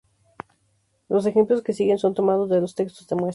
Los ejemplos que siguen son tomados de los textos de muestra.